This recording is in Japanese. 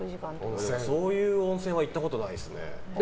そういう温泉は行ったことないですね。